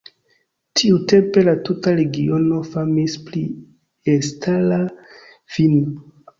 Tiutempe la tuta regiono famis pri elstara vino.